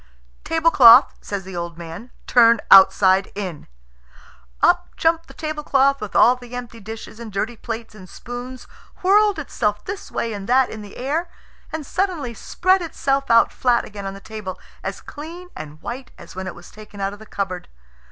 "Tablecloth," says the old man, "turn outside in." Up jumped the tablecloth with all the empty dishes and dirty plates and spoons, whirled itself this way and that in the air, and suddenly spread itself out flat again on the table, as clean and white as when it was taken out of the cupboard.